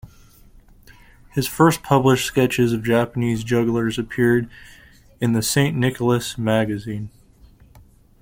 His first published sketches of Japanese jugglers appeared in the "Saint Nicholas Magazine".